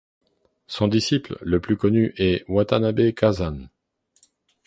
Son disciple le plus connu est Watanabe Kazan.